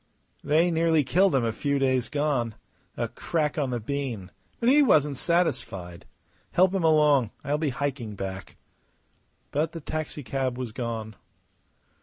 "They nearly killed him a few days gone. A crack on the bean; but he wasn't satisfied. Help him along. I'll be hiking back." But the taxicab was gone.